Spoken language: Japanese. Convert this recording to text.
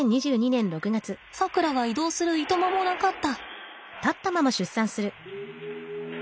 さくらが移動するいとまもなかった。